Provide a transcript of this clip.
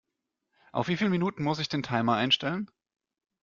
Auf wie viel Minuten muss ich den Timer einstellen?